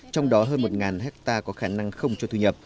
trong đó hơn một hectare có khả năng không cho thu nhập